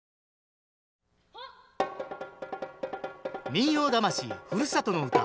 「民謡魂ふるさとの唄」。